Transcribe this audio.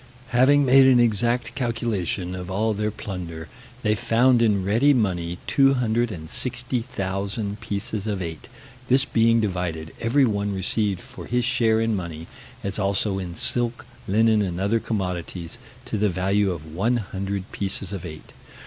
Having made an exact calculation of all their plunder, they found in ready money 260,000 pieces of eight: this being divided, every one received for his share in money, as also in silk, linen, and other commodities, to the value of 100 pieces of eight.